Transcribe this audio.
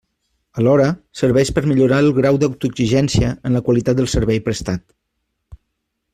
Alhora, serveix per a millorar el grau d'autoexigència en la qualitat del servei prestat.